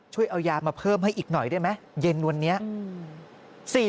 ช่วยเอายามาเพิ่มให้อีกหน่อยได้ไหมเย็นวันนี้